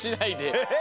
えっ？